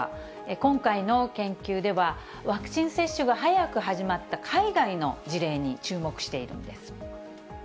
今回の研究では、ワクチン接種が早く始まった海外の事例に注目しているんです。